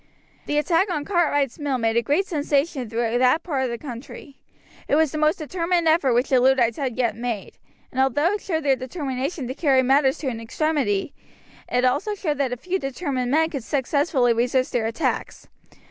The attack on Cartwright's mill made a great sensation through that part of the country. It was the most determined effort which the Luddites had yet made, and although it showed their determination to carry matters to an extremity, it also showed that a few determined men could successfully resist their attacks.